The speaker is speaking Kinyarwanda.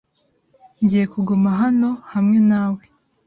Ngiye kuguma hano hamwe nawe .